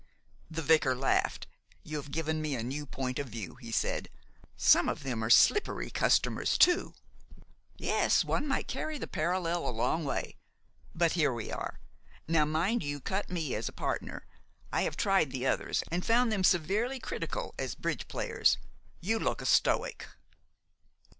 The vicar laughed. "You have given me a new point of view," he said. "Some of them are slippery customers too. Yes, one might carry the parallel a long way. But here we are. Now, mind you cut me as a partner. I have tried the others, and found them severely critical as bridge players. You look a stoic."